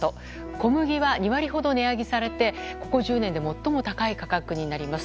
小麦は２割程値上げされてここ１０年で最も高い価格になります。